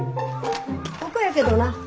ここやけどな。